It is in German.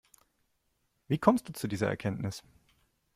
Wie kommst du zu dieser Erkenntnis?